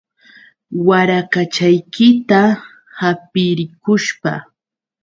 Warakachaykita hapirikushpa.